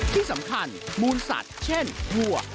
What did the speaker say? ที่สำคัญมูลสัตว์เช่นวัว